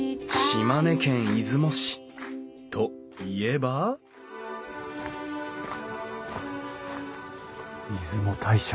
島根県出雲市といえば出雲大社。